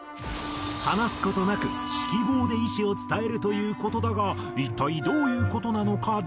話す事なく指揮棒で意思を伝えるという事だが一体どういう事なのか実演。